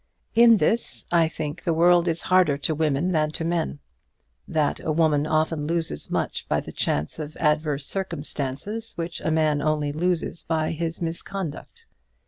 In this, I think, the world is harder to women than to men; that a woman often loses much by the chance of adverse circumstances which a man only loses by his own misconduct.